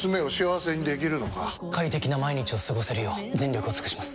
快適な毎日を過ごせるよう全力を尽くします！